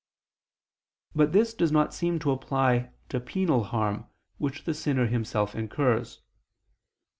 But this does not seem to apply to penal harm, which the sinner himself incurs.